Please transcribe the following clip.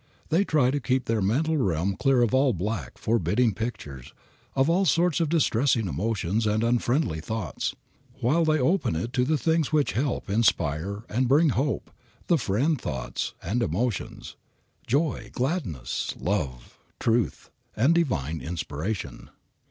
They try to keep their mental realm clear of all black, forbidding pictures, of all sorts of distressing emotions and unfriendly thoughts, while they open it wide to the things which help, inspire and bring hope, the friend thoughts and emotions, joy, gladness, love, truth, and divine inspiration.